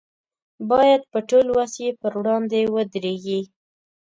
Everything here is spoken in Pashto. باید په ټول وس یې پر وړاندې ودرېږي.